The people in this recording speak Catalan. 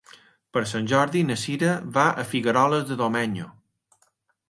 Per Sant Jordi na Cira va a Figueroles de Domenyo.